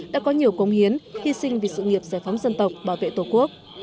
đã có nhiều công hiến hy sinh vì sự nghiệp giải phóng dân tộc bảo vệ tổ quốc